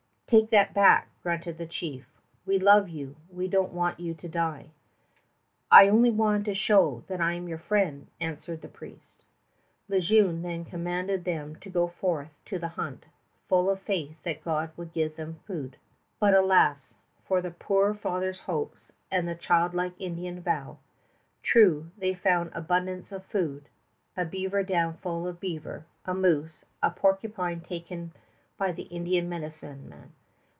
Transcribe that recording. "Take that back," grunted the chief. "We love you! We don't want you to die." "I only want to show that I am your friend," answered the priest. Le Jeune then commanded them to go forth to the hunt, full of faith that God would give them food. But alas for the poor father's hopes and the childlike Indian vow! True, they found abundance of food, a beaver dam full of beaver, a moose, a porcupine taken by the Indian medicine man.